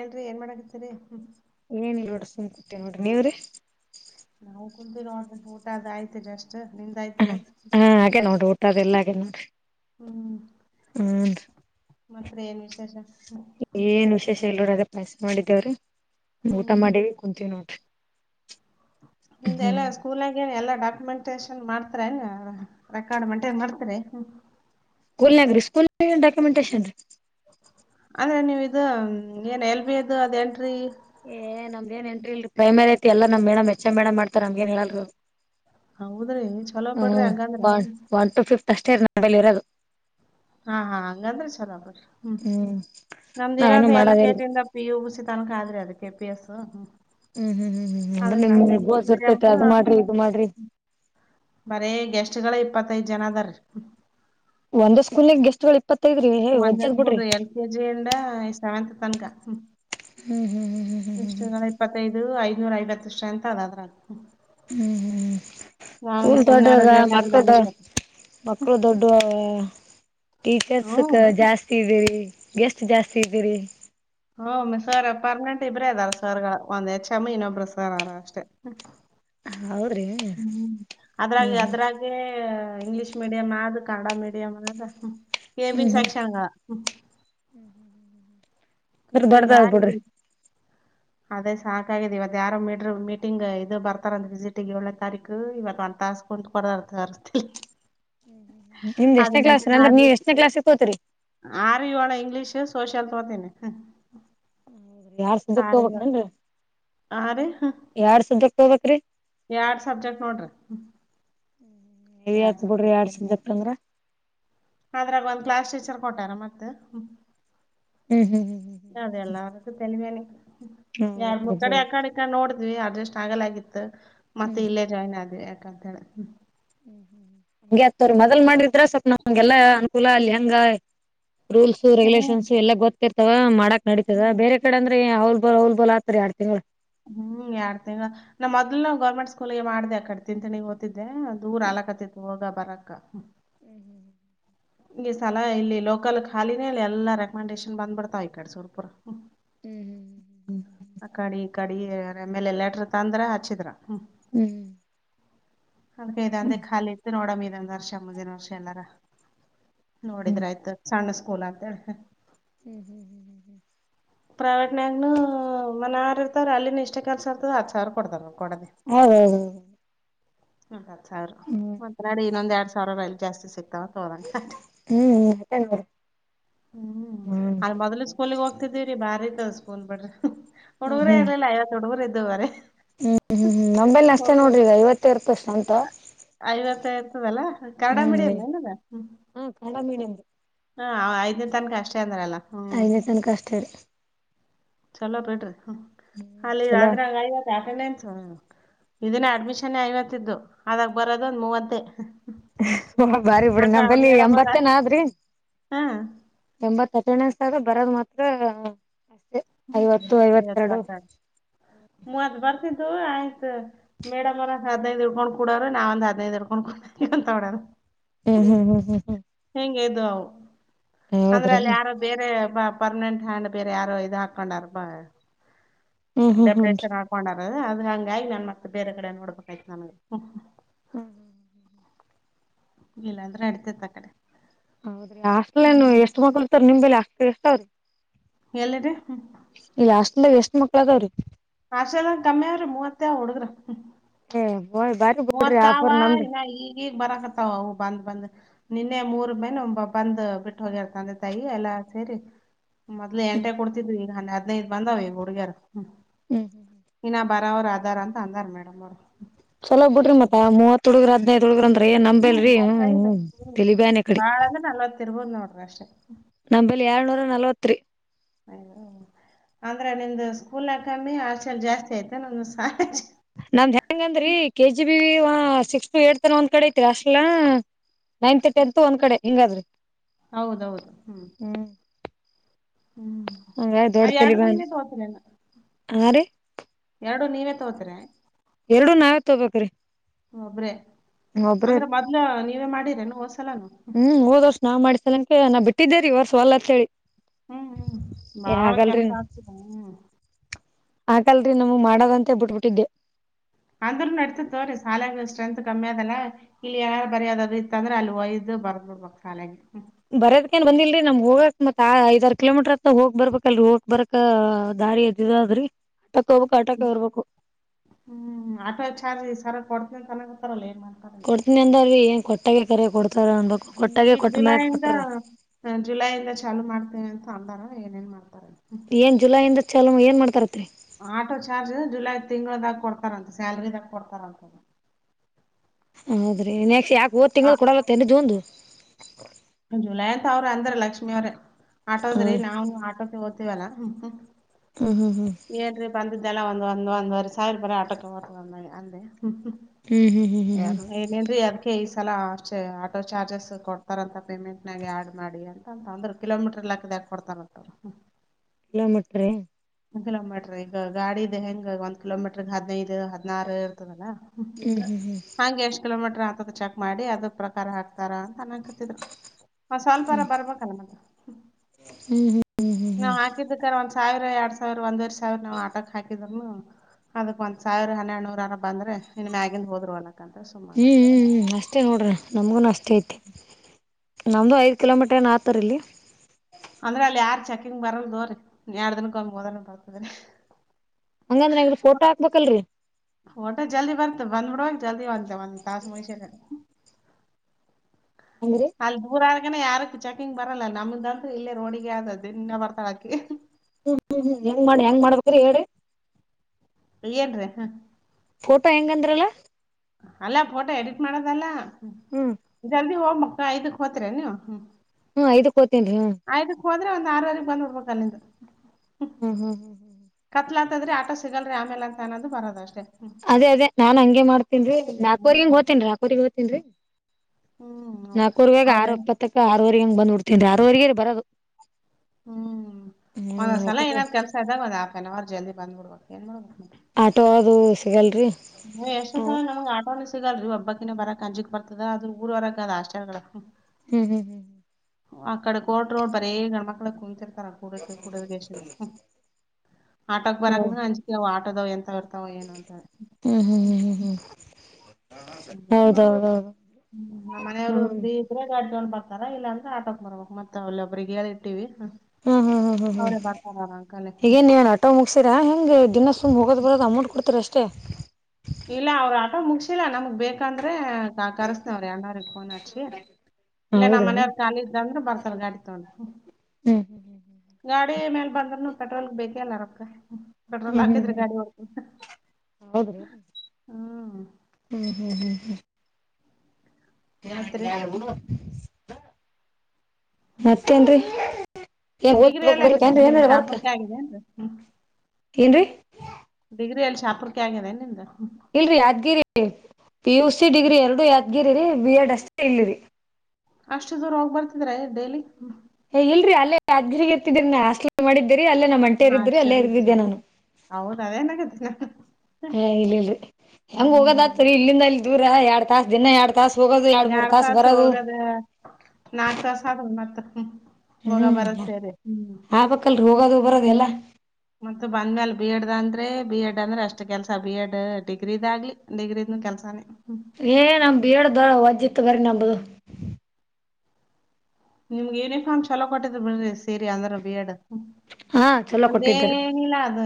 ಏನ್ರಿ ಏನ್ ಮಾಡಕತ್ತರಿ ಹ ಏನಲ್ ನೋಡ್ರ ಸುಮ್ಕಟ್ಟೇ ನೋಡ್ರಿ ನೀವ್ರೀ ನಾವು ಕುರ ಊಟ ಅ ಆಯ್ತ ಜಾಸ್ತಿ ಹ ಹಾ ಹಾಗೆ ನೋಡ್ರಿ ಊಟದ ಎಲ್ಲ ಹಾಗೆ ನೋಡ್ರಿ ಹ್ಮ್ ಹ್ಮ್ ಮತ್ತ ಏನ್ ವಿಶೇಷ ಏನ್ ವಿಶೇಷ ಇಲ್ ಅದೇ ಪಾಯಸ ಮಾಡಿದ್ದೇವ್ರಿ ಊಟ ಹ್ಮ್ ಮಾಡೀವ ಕುಂತೀವಿ ನೋಡ್ರಿ ನಿಮ್ದೆಲ್ಲ ಹ್ಮ್ ಸ್ಕೂಲ್ ಆಗ ಎಲ್ಲಾ ಡಾಕ್ಟ ಮೆಂಟಷನ್ ಮಾಡ್ತಾರ ಏನ್ ರೆಕಾರ್ಡ್ ಮೆಂಟೇನ್ ಮಾಡ್ತರಿ ಸ್ಕೂಲ್ ನಾಗ್ರೀ ಸ್ಕೂಲ್ ಡಾಕ್ಯುಮೆಂಟೇಶಷನ್ ರೀ ಅಂದ್ರೆ ನೀವ ಇ ಏನ್ ಎಲ್ ಬಿ ಅದು ಅದ ಎಂಟ್ರಿ ಏ ನಮ್ ಏನ್ಂನ್್ರ ಇಲ್ರಿ ಪ್ರೈಮರಿ ಐತಿ ಎಲ್ಲ ನಮ ಮೇಡಮ್ೆಚ್ಚ ಮೇಡ್ತಾರ ನಮ್ ಏನ್ ಹೇಳಲ್ ಹೌದ್ರಿ ಚಲೋ ಹೂ ಬಿಡ್ರಿ ಹಂಗಂದ್ರ ಒ ಒನ್ ಟು ಫಿಫ್ತ್ ಅಷ್ಟೇ ನಂಬಲ್ಲಿ ಇರೋದು ಹಾ ಹಾ ಹಂಗಂದ್ರೆ ಚೋಲ ಬಿಡ್ರಿ ಹೂ ಹ್ಮ್ ನಮ್ದು ನಾವೇನು ಇರೋದು ಎಲ್ ಮಾಡೋದಿಲ್ರಿ ಕೆಜಿಯಿಂದ ಪಿ ಯು ಸಿ ತನಕ್ ಆದ್ರಿ ಅದ ಕೆ ಪಿ ಎಸ್ ಹೂ ಹೂ ಹೂ ಹೂ ಅಂದ್ರೆ ಆದ್ರ ನಮ್ದ ನಿಮ್ಗೆ ಇಂಗ್ಲಿಷ್ ಗೋಸ್ ಮೀಡಿಯಂ ಇರ್ತೈತೆ ಅದ ಮಾಡ್ರಿ ಇದು ಮಾಡ್ರಿ ಚಿಗಳ ಇಪ್ಪತ್ತೈದು ಜನ ಇದಾರಿ ಒಂದ ಸ್ಕೂನ್ ಗೆಸ್ಟ್ಗಳು ಇಪ್ಪತ್ತು ಒಂದ ಸ್ಕೂಲ್ ರೀ ಎಲ್ ಕೆಜಿ ಇಂದ ಈ ಸೆವೆಂತ್ ತನಕ ಹ್ಮ್ ಹ್ಮ್ ಹ್ಮ್ ಹ್ಮ್ ಹ್ಮ್ ಹ್ಮ್ ಇಷ್ಟು ಇಪ್ಪತ್ತೈದು ಐನೂರ ಐವತ್ತಷ್ಟ ಅಂತ ಸ್ಟ್ರೆಂಟ್ ಅದಾದ್ರಗ್ ಹೂ ಹೂ ಕೂಲ್ ಸುಮ್ನ್ಯಾರ ದೊಡ್ಡದ ಆಗಿಲ್ಲ ಮಕ್ಕಳದ ಅನಸ್ಲಕ ಮಕ್ಕಳು ದೊಡ್ಡು ಅವ ಟೀಚರ್ಸ್ ಹ್ಮ್ ಜಾಸ್ತಿ ಇದರಿ ಗೆಸ್ಟ್ ಜಾಸ್ತಿ ಇದ್ದೀರಿ ಹೂ ಮೀ ಸರ್ ಪರ್ಮನೆಂಟ್ ಇಬ್ರ ಅದಾರ ಸರ್ ಒಂದ್ ಹೆಚ್ಮ್ಮಿ ಇನ್ನೊಬರು ಸರ್ಾರ ಅಷ್ಟೇ ಹೌದ್ರಿ ಹೂ ಅದ್ರಾಗ ಹ್ಮ್ ಹ್ಮ್ ಅದ್ರಾಗೆ ಇಂಗ್ಲಿೀಷ್ ಮೀಡಿಯಂ್ ಆದ ಕನ್ನಡ ಮೀಡಿಯಂ್ ಆದ ಕೆೇಬಿ ಹ್ಮ್ ಹ್ಮ್ ಸಕ್ಷಂಗ ಬ್ರ ಬರ್ದ ಆ ಬಿಡ್ರಿ ಅದೇ ಸಾಕಾಗಿದೆ ಇವತ್ ಯಾರೋ ಮೀ್ರ ಮೀಟಿಂಗ್ ಇದು ಬರ್ತಾರಂದ ವಿಸಿಟಿಂಗ್ ಏಳೇ ತಾರೀಕು ಇವತ್ ಒಂದ ತ ೊಂಡ ಪಡಾರ್ದ ಅರ್ತಿ ನಿಮ್ದ್ ಅದ ಎಷ್ಟನೇ ಕ್ಲಾಸ್ ಮೆಂಟೇನ್ ಅಂದ್ರ ಮಾಡ್ರಿ ನೀವ್ ಎಷ್ಟನೇ ಕ್ಲಾಸ್ ತೋತಿರಿ ಆರು ಏಳು ಇಂಗ್ಲೀಷು ಸೋಶಲ್ ತತನೆ ನಡಿ ಹೌದ ಎರೆಡು ಸಬ್ಜೆಕ್ಟ್ ಹೋಗಬಕ್ನನ್ರರಿ ಆ ರಿ ಹ ಕೆಟ್ಟು ಹೊಗೆತ್ರಿ ಎಲ್ಡ್ ಸಬ್ಜೆಕ್ಟ್ ನೋಡ್ರಿ ಹೆವಿ ಎಡ್ ಆತ್ ಸ ಬಿಡ್ರಿ ಎರಡ್ ಸಬ್ಜೆಕ್ಟ್ ಅಂದ್ರ ಆದ್ರಾಗ ಒಂದ್ ಕ್ಲಾಸ್ ಟೀಚರ್ ಕೊಟ್ಟಾರ ಮತ್ತ ಹ್ಮ್ ಹ್ಮ್ ಹ್ಮ್ ಹ್ಮ್ ಅದ ಎಲ್ಲಗೂ ತಲೆ ಮೇಲೆ ಹ್ಮ್ ಎಲ್ಡ್ಮರ್ ಕಡೆ ಹೌದೌದು ಅಕಡೆ ಇಕಾಡಿ ನೋಡಿದ್ವಿ ಅರ್ಜಸ್್ ಆಗಲ್ಲ ಆತ್ತು ಹ್ಮ್ ಮತ್ತೆ ಇಲ್ಲೇ ಜಾಯಿನ್ ಆದವಿ ಯಾಕಂತ ಹೇಳಿ್ಮ ಹೂ ಹೂ ಹಂಗೆ ಆತ್ತವ್ರ ಮೊದಲ್ ಮಾಡಿದ್ರ ಸ್ವಲ್ಪ್ ನಮಗೆಲ್ಲಾ ಅನುಕೂಲ ಅಲ್ಲಿ ಹಂಗ ರೂಲ್ಸ್ು ಹ್ಮ್ ರೆಗ್ಯುಲೇಷನ್ಸ್ ಎಲ್ಲ ಗೊತ್ತರ್ತವ ಮಾಡಕ್ ನಡತದ ಹ್ಮ್ ಬೇರೆ ಕಡೆ ಅಂದ್ರೆ ಏನು ಹ ಅವಲ್ ಬಾ ಹ್ಲ್ ಬಲ ಆತ್ರತ್ರಿರಡ್ ತಿಂಗಳು ಹೂ ಯಾರ್ ತಿಂಗಳು ನಾ ಮೊದಲ್ ನಾವು ಗೌರ್ಮೆಂಟ್ ಸ್ಕೂಲ್ಗ ಮಾಡ್ದ ಆ ಕಡ್ತಂತ ನೀಿ ಓದ್ಿದ್ದ ಅ ದೂರ ಆಲಕತಿತ್ತು ಹೋಗ ಬರಕ್ಕ ಹೂ ಹೂ ಈಗೆ ಸಲ ಇಲ್ಲಿ ಲೋಕಲ್ ಖಾಲಿನೇಲ್ಲ ಎಲ್ಲಾ ರೆಕಮೆಂಡೇಶನ್ ಬಂದ್ಬಿಡ್ತಾವ ಈ ಕಡೆ ಸುರ್ಪುರ ಹ್ಮ್ ಹ್ಮ್ ಅಕ್ಕಡಿ ಕಡಿ ಆಮೇಲೆ ಲೆಟ್ರ ತಂದ್ರ ಹಚ್ಚಿದ್ರ ಹೂ ಅದ್ಕ ಇದ ಅಂದೆ ಖಾಲ ಇತ್ತು ನೋಡಮ್ ಇದೊಂದ್ ವರ್ಷ ಮುಂದಿನ ವರ್ಷ ಎಲ್ಲಾರ ನೋಡಿದ್ರ ಆಯ್ತು ಸಣ್ಣ ಸ್ಕೂಲ್ ಆಗ್ತಳ ಹೂ ಹೂ ಹೂ ಹೂ ಹೂ ಪ್ರೈವೇಟ್ ನಂಗನು ಮನಾರ್ ಇರ್ತಾರ ಅಲ್ಲಿ ಇಷ್ಟ ಕೆಲಸ ಇರ್ತದ ಹತ್ ಸಾವಿರ ಕೊಡ್ತಾರ ಹೌದು ಹೌದು ಒ ಹತ್ ಸಾವಿರ ಒಂದ್ನಾಡಿ ಇನ್ನೊಂದ್ ಎರಡ್ ಸಾವಿರಲ್ಲಿ ಜಾಸ್ತಿ ಸಿಕ್ತ ದವಾಕವರ ಕಟ್ ಹ್ಮ್ ಅ ನೋಡ ಹೂ ಹ್ಮ್ ಅಲ್ ಮೊದ್ಲು ಸ್ಕೂಲ್ಿಗೆ ಹೋಗ್ತಿದ್ದೀ್ರೀ ಬಾರಿ ್ ಸ್ಪೂನ್ ಬಿಡ್ರಿ ಹುಡುಗರೇ ಇರ್ಲಿಲ್ಲ ಐವತ್ತು ಹುಡುಗುರು ಇದವ್ರೀ ಹೂ ಹೂ ಹೂ ನಂಬೈಲ್ ಅಷ್ಟೇ ನೋಡ್ರಿ ಐವತ್ತು ಇರ್ತಷ್ಟ ಸ್ಟ್ರೆಂಟ್ ಐವತ್ತ ಇರ್ತದಲ್ಲ ಕನ್ನಡ ಹೂ ಮೀಡಿಯಂ ಹೇಳಿ ಏನದ? ಕನ್ನಡ ಮೀಡಿಯಂ ಹ ಐದ್ರ್ ತನಕ ಅಷ್ಟೇ ಅಂದ್ರಲ್ಲ ಯನ ತನ ಕಷ್ಟ ರ ಚಲೋಪ ಬಿಡ್ರಿ ಚಲೋ ಅಲ್ಲಿ್ರಂಗವ ಆಾಕ ಹ ಇದನ್ನ ಅಡ್ಮಿಷನ್ ಐವತ್ತಿದ್ದು ಅದಾಗ ಬರೋದ ಒಂದ ಮೂವತ್ತೇ ಹ ಬಾರಿ ಬಿಡಿ ನಲ್ಲಿ ಅವ್ರ ಎಂಬತ್ತು ಜನ ಆದ್ರಿ ಹಾ ಎಂಬತ್ತತ್ತು ಬರೋ ಮಾತ್ರ ಅಷ್ಟೇ ಹ್ಮ್ ಐವತ್ತು ಐವತ್ತೆರಡು ಅಯವತ್ತ ಮೂವಂತ ಬರ್ತೀನ್ ಆಯ್ತು ಮೇಡಮ್ರ ಹದ್ನೈದು ಇಳ್ಕೊಂಡ್ ಕುಡೋ ನಾವ ಒಂದ್ ಹದ್ ಇಳ್ಕೊಂಡ್ ಕುಡವ ಅಂತ ಒಡದು ಹ್ಮ್ ಹ್ಮ್ ಹ್ಮ್ ಹ್ಮ್ ಹ್ಮ್ ಹಿಂಗ ಇದು ಅಂದ್ರೆ ಹೌದ್ರಿ ಅಲ್ಲಿ ಯಾರೋ ಬೇರೆ ಬ ಪರ್ಮನೆಂಟ್ ಹ್ಯಾಂಡ್ ಬೇರೆ ಯಾರೋ ಇದ ಹಾಕೊಂಡರ್ಬಾ ಹ್ಮ್ ಹ್ಮ್ ಹ್ಮ್ ಡೆಪ್ರೇಷನ್ ಹಾಕೊಂಡಾರ ಅದು ಹಂಗಾಗಿ ನನ್ ಮತ್ತತ್ಬೇರೆ ಕಡೆ ನೋಡ್ಬೇಕಾಯ್ತು ನನ್ಗ ಹ್ಮ್ ಹ್ಮ್ ಇಲ್ಲ ಅಂದ್ರೆ ಅಡ್ತೆೇತ್ ಆ ಕಡೆ ಹೌದ್ರಿ ಆಾಸ್ಲೇನು ಎಷ್ಟು ಮಕ್ಕಳ ತರ್ ನಿಮ್ಲಿ ಹಾಕ್ತ ಎಷ್ಟಾವ್ರಿ ಎಲ್ಲರಿೀ ಇಲ್ಲ ಎಷ್ಟ್ ಮಕ್ಳ ಅದಾವ್ರೀ ಅರ್ಷದಂಗ ಕಮ್ಮಿಾವ್ರಿ ಮೂವತ್ತಾವ ಹುಡುಗ್ರ ಹ್ಮ ಮೂವತ್ವ ಇಲ್ಲ ಈಗೀಗ್ ಬರಕತ್ತಾವ ಅವು ಬಂದ್ ಬಂದ್ ನಿನ್ನೆ ಮೂರ್ ಮೇನ್ ಒ ಬಂದ್ ಬಿಟ್ಟ ಹೋಗಿರ್ತಂದೆ ತಾಯಿ ಎಲ್ಲ ಸೇರಿ ಮೊದ್ಲು ಹ್ಮ್ ಎಂಟ ಕೊಡ್ತಿದ್ವಿ ಈಗ ಹನ್ನ ಹದ್ದು ಬಂದಾವ ಈಗ ಹುಡ್ಗ್ಯರ್ ಹ್ಮ್ ಹ್ಮ್ ಇನ್ನ ಬರವ್ರ ಆಧಾರ್ ಅಂತ ಅಧಾರ ಮೇಡಮ್ ಅವರು ಚಲೋ ಬಿಡಿ ಮತ್ತತ್ ಮೂವತ್ ಹಡುಗ್ರ ತೊಳಗ್ರಂದ್ರ ಏ ಹ್ಮ್ ನಂಬಲ್ರರಿ ಮೂವತ್ತೈದ್ ಹ ಹ್ಮ್ ತಲಿಬಾನ ಕಡೆ ಬಾಳ ಅಂದ್ರ ನಲ್ವತ್ತ್ ಇರ್ಬೋದ್ ನೋಡ್ರಿ ಅಷ್ಟೇ ನಂಬಲ್ಲಿ ಎಡ್ನೂರ ನಲ್ವತ್ರಿ ಅಯೋ ಅಂದ್ರೆ ನಿಮ್ದು ಸ್ಕೂಲ್ ಕಮ್ಮಿ ಆಚಲ್ ಜಾಸ್ತಿ ಆಯ್ತು ನಮ್ದಾಲ ನಮ್ದ್ ಹೆಂಗಂದ್ರೀ ಕೆಜಿ ಬಿ ಸಿಕ್ಸ್ತ್ ಏತ್ ಅ ಒಂದ್ ಕಡೆ ಐತ್ರಿ ಅಷ್ಟಲ ನೈನ್ತ್ ಟೆಂತ್ ಒಂದ್ ಕಡೆ ಹಿಂಗಾದ್ರಿ ಹೌದೌದು ಹ್ಮ್ ಹ್ಮ್ ಹಂಗಾಗಿ ಆ ದೊಡ್ಡ ಎರಡು ತಲಿಬ್ಯಾನಿ ನೀನೇ ತೋತರಿಲ್ಲ ಹಾ ರೀ ಎ ನೀವೇ ತಗೋತ್ರೆ ಎರಡು ನಾವತ್ ತಗೋಬೇಕ್ರೀ ಒಬ್ರೆ ಅಂದ್ರೆ ರೀ ಮೊದ್ಲು ನೀವೇ ಮಾಡಿರೇನು ಹೊಸ ಹ್ಮ್ ಹಓದ ವರ್ಷ್ ನಾವ್ ಮಾಡಿಸ್ತನಂ ನಾ ಬಿಟ್ಟಿದ್ದೇರಿ ವರ್ಷವಲ್ಲ ಅಂತ ಹೇಳಿ ಹ್ಮ್ ಹ್ಮ್ ಬಾಳ ಕೆಲ್ಸ ಆಗ್ತೀರ ಹ್ಮ್ ಆಕಲ್ರಿ ನಮ್ಗ್ ಮಾಡೋದಂತೆ ಬಿಟ್ಬಿಟ್ಟಿದ್ದೆ ಅಂದ್ರೂ ನಡತ ತೋ್ರಿ ಸಾಲಂಗ ಸ್ಟ್ರೆಂತ್ ಕಮ್ಮಿ ಅದಲ್ಲ ಇಲ್ಲಿ ಯಏಾರು ಬರಿಯೋದ ಇ ಅಂದ್ರೆ ಅಲ್ಲಿದು ಬರ್ಬಡ್ಬೇಕಕ್ಖಾಲಾಗಿ ಬರದಕ ಏನ್ ಬಂದಿಲ್ರಿ ನಮ್ ಹೋಗಕ್ತ್ ಆಐದಾರರು ಕಿಲೋಮೀಟರ್ ಹತ್ ಹೋಗ್ ಬರ್ಬೇಕಕ್ಲ್ರಿ ಹೋಗಕ್ ಬರಕ್ ಯಾರಿ ಎ್ದ ಆದ್ರಿ ಹ್ಮ್ ಆಟೋ ಚಾರ್ಜ್ ಸರ ಕೊಡ್ತೀನ ತನ ಗತ್ತಾರಲ್ಲ ಕೊಡ್ತೀನಿ ಅಂದ್ರೀ ಏನ್ ಕೊಟ್ಟಾಗಿ ಕರ ಕೊಡ್ತಿ ಹ್ಮ್ ಈಗ ಜುಲೈಯಿಂದ ಜುಲೈಯಿಂದ ಚಾಲುೂ ಮಾಡ್ತೇನೆ ಅಂತ ಅಂದಾರ ಏನೇನ್ ಮಾಡ್ತ ಏನ್ ಜುಲೈ ಇಂದ ಚಲೋ ಏನ್್ತಾರತ್ರೀ ಆಟೋ ಚಾರ್ಜ್ ಜುಲೈ ತಿಂಗಳದಾಗ ಕೊಡ್ತಾರಂತೆ ಸ್ಯಾಲ್ರಿಿದಾಗ ಕೊಡ್ತಾರಂತದ ಹೌದ್ರಿ ನೆಕ್ಸ್ಟ್ ಯಾಕೆ ದ ತಿಂಗಗಳು ಕೊಡಲತ್ತೇನ್ ಜ ಒಂದು ಜುಲೈ ಅತ್ ಅವ್ರ ಅಂದ್ರ ಲಕ್ಷ್ಮಿ ಅವ್ರ ಆಟೋದ್ರಿ ಹ್ಮ್ ನಾವವುನು ಆಟೋಕ್ಕೆ ಓದ ವಲ್ಲ ಹ್ಮ ಹ್ಮ ಹ್ಮ್ ಹ್ಮ್ ಏನ್ ಬಂದ ಇದೆಲ್ಲ ಒಂದು ಒಂದ ಒಂದವರೆ ಸಾವಿರ ಬರ ಆಟೋಕ್ಕೆ ಅಂದೆ ಹ್ಮ್ ಹ್ಮ್ ಹ್ಮ್ ಹ್ಮ್ ಹ್ಮ್ ಹ್ಮ್ [unintelligible] ಯಾದಾಗಿ ಈ ಸಲ ಆಟೋ ಚಾರ್ಜಸ್ ಕೊಡ್ತಾರಂತ ಪೇಮೆಂಟ್ ನಾಗೆ ಆ್ಯಡ್ ಮಾಡಿ ಅಂತಾ ಅಂತ ಅಂದ್ರು ಕಿಲೋಮೀಟರ್ ಲೆಕ್ಕದಾಗ ಕೊಡ್ತಾರಂತ ಅವ್ರು. ಕಿಲೋಮೀಟ್ರ. ಒಂದ ಕಿಲೋಮೀಟರ್ ಈಗ ಗಾಡಿದ ಹೆಂಗ ಒಂದು ಕಿಲೋಮೀಟರ್ ಹದಿನೈದು ಇದು ಹದ್ನಾರು ಇರ್ತದಲ್ಲ ಹ್ಮ್ ಹ್ಮ್ ಹ್ಮ್ ಹಂಗೆ ಎಷ್ಟ್ ಕಿಲೋಮೀಟರ್. ಆಗ್ತದ ಚೆಕ್ ಮಾಡಿ ಅದ್ರ ಪ್ರಕಾರ ಹಾಕ್ತ ಹಾಕ್ತಾರ ಅನ್ನಕತಿದ್ರು ಒಂದ್ ಸ್ವಲ್ಪ ಆರ ಬರ್ಬೇಕಲ್ಲ ಮ ಹ್ಮ್ ಹ್ಮ್ ಹ್ಮ್ ಹ್ಮ್ ಹ್ಮ್ ನಾವ್ ಹ್ಮ್ ಹಾಕಿದ ಕನ ಒಂದ್ ಸಾವಿರ ಎರಡ್ ಸಾವಿರ ಒಂದೂವರೆ ಸಾವಿರ ನಾವ್ ಆಟೋಕ್ ಹಾಕಿದ್ರುನು. ಅದಕ್ ಒಂದ್ ಸಾವಿರ ಹೆಡುನೂರ ಅರ ಬಂದ್ರೆನ್ ಮ್ಯಗಂದ ಹೋದ್ರು ಹೋಗ್ಲಾಕ. ಹ್ಮ್ ಹ್ಮ್ ಹ್ಮ್ ಅಷ್ಟೇ ನೋಡ್ರ ನಮ್ಗನು ಅಷ್ಟೇ ಐತಿ. ನಮ್ದು ಐದ್ ಕಿಲೋಮೀಟರ್ ಏನ ಆತರ್ ಇಲ್ಲಿ. ಅಂದ್ರೆ ಅಲ್ಲಿ ಯಾರ್ ಚೆಕಿಂಗ್ ಬರಲ್ ದೋರಿ ಎಡೂ ದಿನಕ್ಕೊಮ್ಮೆ ಹೋದ್ರೆ [unintelligible] ಹಂಗಂದ್ರಾ ಎಂಗಾ ರಿ ಫೋಟೋ ಹಾಕ್ಬೇಕಲ್ರರಿ. ಬಂದ್ಬಿಡಬೇಕು ಜಲ್ದಿ ಒಂದ ಬಂದ ತಾಸು ಮುಗಿಸಿ ಅಕೆಡಿ. ಹಂಗ್ರಿ ಅಲ್ ದೂರ ಯ ಯಾರಕ್ ಚೆಕಿಂಗ್ ಬರಲ್ಲ ನಮ್ದಂತ್ರೂ ಇಲ್ಲೇ ರೋಡಿಗೆ ಆದ ದಿನ್ನ ಬರ್ತಾಳಕಿ. ಹ್ಮ್ ಹ್ಮ್ ಹ್ಮ್ ಹೆಂಗ ಮಾಡಿ ಹೆಂಗ್ ಮಾಡ್ಬೇಕಿ ಹೇಳ್ರಿ. ಏನ್ರಿ ಹ್ಹ್. ಫೋಟೋ ಹೆಂಗಂದ್ರಲ್ಲ. ಅಲ್ಲಾ ಫೋಟೋ ಎಡಿಟ್ ಮಾಡದಲ್ಲ ಹ್ಮ್ ಜಲ್ದಿ ಹೋಗಮ ಐದಕ್ ಹೊತ್ರಿ ಏನ್ ನೀವು ಹ ಹ್ಮ್ ಐದಕ್ ಹೋತೇನ್ರಿ ಹ್ಮ್ ಐದಕ್ ಹೋದ್ರೆ ಒಂದ್ ಆರವರೆ. [unintelligible] ಬರ್ಬೇಕ ಅಲ್ಲಿಂದ. ಹಾ ಹಾ ಹಾ ಹಾ ಹ ಕತ್ಲೂ ಆಟದ್ರಿ ಆಟೋ ಸಿಗಲ್ರಿ ಆಮೇಲೆ ಅಂತ ಅನ್ನೋದು ಬರದ ಅಷ್ಟೇ. ಅದೇ ಅದೇ ನಾನು ಹಂಗೆ ಮಾಡ್ತೀನಿ ರಿ ನಾಲ್ಕವರೆಗಿಂಗ ಹೋತಿಂರಿ ನಾಲ್ಕವರಿಗೆ ಹೋತನ್ರಿ. ಹ್ಮ್ ನಾಲ್ಕವರ್ಗಾಗೋಗಿ ಆರು ಅವ್ರೇನ್ ಇಪ್ಪತ್ತಕ್ಕ ಆರವರೆಗ ಹಂಗಗ ಬಂದ್ಬಿಡ್ತೀನ್ರಿ ಆರವರೆಗ ಬರೋದು. ಹ್ಮ್ ಹ್ಮ್ ಒಂದ್ಸಲ ಯಾಕಂದ್ರ ಏನಾದ್ ಕೆಲ್ಸ ಇದ್ದಾಗ ಒಂದ್ ಆಫನ್ ಅವರ್ ಜಲ್ದಿ ಬಂದ್ಬಿಡ್ಬೇಕು ಏನ್ ಮಾಡ್ಬ ಬೇಕು. ಆಟೋ ಅದು ಸಿಗಲ್ರಿ. ನೀ ಎಷ್ಟ ಸಲ ನನಗೆ ಆಟೋನೆ ಸಿಕ್ [unintelligible] ಒಬ್ಬಕ್ಕಿನ ಬರಕ್ ಅಂಜಿಕ್ ಬರ್ತದ ಅದು ಊರ್ ಹೊರಗ ಆದ ಹಾಸ್ಟೆಲ್. ಹ್ಮ್ ಹ್ಮ್ ಹ್ಮ್ ಹ್ಮ. ಅಕ್ಕಡೇ ಕೋರ್ಟ್ ರೋಡ್ ಬರೇ ಗಣ ಮಕ್ಕಳ ಕುಂತಿರ್ತಾರ ಕುಡಿದು ಕೂಡದ ಕೇಶಿಂದ. ಆಟೋಕ್ ಹೌದು ಬರಕ ಹಂಜಿಕೆವು ಆಟೋದವ ಎಂತವು ಇರ್ತಾವ ಏನು ಅಂತ. ಹ್ಮ್ ಹ್ಮ್ ಹ್ಮ್ ಹ್ಮ್ ಹ್ಮ್ ಹ್ಮ ಹೌದೌದೌದು ಹ್ಮ್ ನ ಮನೆಯವ್ರು ಹ್ಮ್ ಫ್ರೀ ಇದ್ರೆ ಗಾಡಿ ತಗೊಂಡ್ ಬರ್ತ್ ತರ ಇಲ್ಲಾಂದ್ರ ಆಟೋಕ್ ಬರ್ಬೇಕ್ ಮತ್ತ ಅಲ್ಲಿ ಒಬ್ಬ್ರಿಗೆ ಹೇಳಿಟ್ಟಿವಿ. ಹ್ಮ್ ಹ್ಮ್ ಹ್ಮ್ ಹ್ಮ್ ಹ್ಮ ಅವ್ರೇ ಬರ್ತಾರ ಅವ್ರ್ ಅಂಕಲೇ ಹ್ಮ್. ಹೀಗೆನ್ ನೀವ ಆಟೋ ಮುಗಸೀರಾ ಹೆಂಗ ದಿನ ಸುಮ್ ಹೋಗೋದ್ ಬರೋದು ಅಮೌಂಟ್ ಕೊಡ್ತೀರ ಅಷ್ಟೇ. ಇಲ್ಲ ಅವ್ರ ಆಟೋ ಮುಗಸಿಲ್ಲಾ ನಮಗ್ ಬೇಕಂದ್ರೆ ಕರೆಸ್ನವ್ರ ಯಾರನ್ನಾರ. [unintelligible] ಇಲ್ಲ ನಮ್ ಹೌದ್ರಿ ಮನೆಯವ್ರ ಕಾಲಿ ಇದ್ರು ಅಂದ್ರ ಬರ್ತಾರ ಗಾಡಿ ತಗೊಂಡು. ಹ್ಮ್ ಹ್ಮ್ ಗಾಡಿ ಮೇಲ್ ಬಂದ್ರೂನು ಪೆಟ್ರೋಲ್ ಬೇಕ ಅಲ್ಲ ರೊಕ್ಕ. ಹ್ಮ್ ಹ್ಮ್ ಹಾಕಿದ್ರ ಹ್ಮ್ ಗಾಡಿ ಓಡ್ತದ ಹೌದ್. ಹ್ಮ್ ಹ್ಮ್ ಹ್ಮ್ ಹ್ಮ್ ಹ್ಮ್ ಮತ್ರಿ [unintelligible] ಮತ್ತೇನ್ರೀ. ಓದಬೇಕು ಎಲ್ಲ್ ಬರೀಬೇಕು ಆಗೇದ್ರಿ ಏನ್ರೀ ಏನಾದ ನಿಮ್ದ್ ವರ್ಕ್ ಶಾಪುರ್ಕೆ ಆಗಿದೇನ್ರಿ ಏನ್ರಿ. ಡಿಗ್ರೀ ಎಲ್ಲಿ ಶಹಾಪುರ ಕಾ ಹಾಗ್ಯದೇನು ನಿಂದು. ಇಲ್ರಿ ಯಾದ್ಗಿರಿ ಪಿ ಯುಸಿ ಡಿಗ್ರಿ ಎರಡು ಯಾದ್ಗಿರಿ ರಿ ಬಿ ಎಡ್ ಅಷ್ಟೇ ಇಲ್ರಿ. ಅಷ್ಟು ದೂರ ಹೋಗ್ ಬರ್ತಿದ್ರ ಡೈಲಿ. ಹೇ ಇಲ್ರಿ ಅಲ್ಲೇ ಅಗ್ರಿಗಿತ್ತಿದ್ದೀನ್ ನಾ ಅಸ್ಲ ಮಾಡಿದ್ದ್. ಹಾ ಸರಿ ಬಿಡು ಹೌದ್ ಅದೇನಾಗತ್ತಿಲ್ಲ. ಹೇ ಇಲ್ಲ್ ಇಲ್ರಿ ಹೆಂಗ್ ಹ್ಮ್ ಹೋಗೋದಾತ್ರಿ ಇಲ್ಲಿಂದ ಇಲ್ಲಿ ದೂರ ಎರಡ್ ತಾಸ್ ದಿನ ಎರಡ್ ತಾಸ್. ಹೋಗೋದು ಎರಡ್ ಮೂರ್ ಎರ್ಡ್ ತಾಸ್ ಬರೋದು ಹೋಗದ ನಾಕ್ ತಾಸ್ ಆತದ ಮತ್ತ. ಹ್ಮ್ ಆಬೇಕಲ್ರಿ ಹೋಗೋದು ಬರೋದು ಎಲ್ಲ. ಮತ್ತ್ ಬಂದ್ಮ್ಯಾಲ್ ಬಿ ಎಡ್ ದ ಅಂದ್ರೆ ಬಿ ಎಡ್ ಅಂದ್ರೆ ಅಷ್ಟ್ ಕೆಲ್ಸ ಬಿ ಎಡ್ ಡಿಗ್ರಿದಾಗ್ಲಿ ಡಿಗ್ರಿದ್ ದು ಕೆಲ್ಸಾನೇ. ಹ್ಮ್ ಏ ನಮ್ ಬಿ ಎಡ್ ದ ವಜ್ಜಿತ್ ಬರಿ ನಮ್ದು. ನಿಮ್ಗೆ ಯೂನಿಫಾರ್ಮ್ ಚಲೋ ಕೊಟ್ಟಿದ್ರು ಬಿಡ್ರಿ ಸೀರಿ ಅಂದ್ರ ಬಿ ಎಡ್. ಹ್ಮ್ ಹಾ ಚಲೋ ಕೊಟ್ಟಿದ್ದರಿ ನಮ್ದೇನಿಲ್ಲ ಅದ.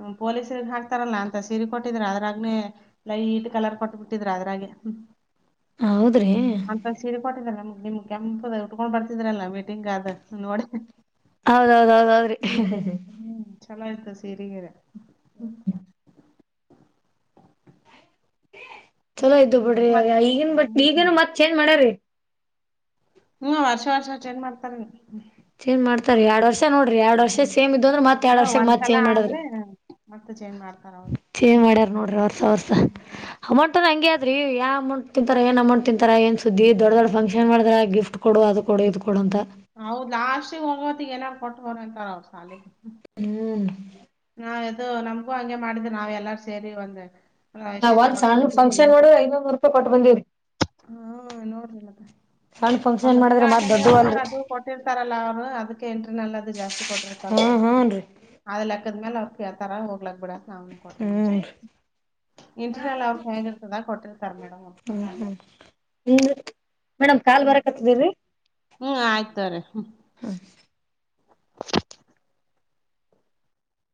ಹ್ಮ್ ಪೊಲೀಸರಿಗೆ ಹಾಕ್ತಾರಲ್ಲಾ ಅಂತ ಸೀರೆ ಕೊಟ್ಟಿದ್ರ ಅದ್ರಾಗ್ನೆ ಲೈಟ್ ಕಲರ್ ಕೊಟ್ಬಿಟ್ಟಿದ್ರ ಅದ್ರಾಗೆ. ಹ್ಮ್. ಹೌದ್ರಿ. ಅಂಕಲ್ ಸೀರಿ ಕೊಟ್ಟಿದ್ರಲ್ಲ ನಿಮ್ ಕೆಂಪದ ಉಟ್ಕೊಂಡ್ ಬರ್ತಿದ್ರಲ್ಲ ಮೀಟಿಂಗ ಅದು ನೋಡಿ ಹೌದೌದೌದೌದ್ರಿ. ಹ್ಮ್ ಚಲೋ ಇತ್ತ್ ಸೀರಿಗಿರೆ. [unintelligible] ಚಲೋ ಇದ್ದು ಬಿಡ್ರಿ ಮತ್ ಅಯ್ಯ ಈಗನ್ ಬಟ್ ಈಗನು ಹ್ಮ್ ಮತ್ ಚೇಂಜ್ ಮಾಡ್ಯಾರ್ರೀ. ಹೂಂ ವರ್ಷ ವರ್ಷ ಚೇಂಜ್ ಮಾಡ್ತಾರೆ. ಚೇಂಜ್ ಮಾಡ್ತಾರ ಎರಡ್ ವರ್ಷ ನೋಡ್ರಿ ಎರಡ್ ಹ್ಮ್ ವರ್ಷ ಸೇಮ್ ಇದ್ವು ಅಂದ್ರ ಮತ್ ಹಾ ಎರಡ್ ವರ್ಷ ಮತ್ ಒಂದ್ಸಲ ಚೇಂಜ್ ಮಾಡದ್ರಿ. ಆದ್ರೆ ಮತ್ತ ಮಾಡ್ತಾರ ಅವ್ರ ಚೇಂಜ್ ಮಾಡ್ಯಾರ ನೋಡ್ರಿ ವರ್ಷ ವರ್ಷ ಅಮೌಂಟುನು ಹಂಗೆ ದ್ರಿ ಯಾವ್ ಅಮೌಂಟ್ ತಿಂತಾರ ಏನ್ ಅಮೌಂಟ್ ತಿಂತಾರ ಏನ್ ಸುದ್ದಿ ದೊಡ್ ದೊಡ್ ಹೋದ್ರ ಫಂಕ್ಶನ್ ಮಾಡತಾರ ಗಿಫ್ಟ್ ಕೊಡು ಅದು ಕೊಡು ಇದು ಕೊಡು ಅಂತ. ಹೌದ್ ಲಾಸ್ಟಿಗೆ ಹೋಗೋತ್ತಿಗ್ ಏನಾರ್ ಕೊಟ್ಟ್ ಬರ್ಬೇಕು ಕಣ ಅವ್ರ್ ಶಾಲಿಗ್. ಹ್ಮ್. ನಾವ್ ಯದು ನಮ್ಗೂ ಹಂಗೆ ಮಾಡಿದ್ರ ನಾವ್ ಎಲ್ಲಾರು ಸೇರಿ ಒಂದ ನಾವ್ ಒಂದ್ ಸಣ್ಣ ಫಂಕ್ಶನ್ ನೋಡುದ್ರು ಐನೂರುನೂರು ರೂಪಾಯಿ ಕೊಟ್ಟ್ ಬಂದೀವ್ರಿ. ಹಾ ನೋಡ್ರಿ ಮತ್ತ. ಸಣ್ಣ ಫಂಕ್ಷನ್ ಒಂದೊಂದ್ಸಲ ಮಾಡಿದ್ರೆ ಮತ್ ಅಟೆಂಡೆನ್ಸ್ ದೊಡ್ಡವು ಮೇಲೆ ಅಲ್ರಿ ಅದು ಕೊಟ್ಟಿರ್ತಾರಲ್ಲ ಅವ್ರು ಅದಕ್ ಎಂಟ್ರಿನಲ್ ಅದು ಜಾಸ್ತಿ ಕೊಟ್ಟಿರ್ತಾರಲ್ಲ ಹ್ಮ್ ಹ್ಮ್ ರೀ ಆ ಲೆಕ್ಕದ್ಮೇಲೆ ಕೇಳ್ತರ ಹೋಗ್ಲಕ್ ಬುಡಕ್ಕ ಅವ್ನಿಗ್ ಕೊಟ್ಟಂಗಷ್ಟೇ. ಹ್ಮ್ ಇಂಟರ್ನಲ್ ಅವ್ರಗ್ ಹೇಗಿರ್ತದ ಕೊಟ್ಟಿರ್ತಾರ್ ಮೇಡಮ್ [unintelligible] ಹ್ಮ್ [unintelligible] ಮೇಡಮ್ ಕಾಲ್ ಬರಕತದ್ದ್ ಇರ್ರಿ. ಹೂ ಆಗ್ತಾರೆ ಹ್ಮ್. ಹಾ.